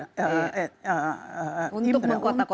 untuk mengkotak kotakan masyarakat